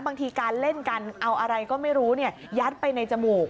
บางทีการเล่นกันเอาอะไรก็ไม่รู้ยัดไปในจมูก